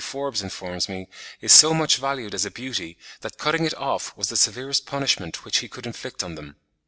Forbes informs me, is so much valued as a beauty, that cutting it off was the severest punishment which he could inflict on them.